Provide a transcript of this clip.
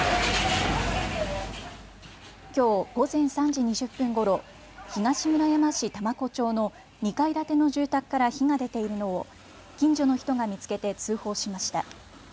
きょう午前３時２０分ごろ、東村山市多摩湖町の２階建ての住宅から火が出ているのを近所の人が見つけて通報しました。